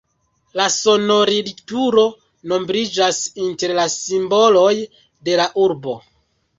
La sonorilturo nombriĝas inter la simboloj de la urbo.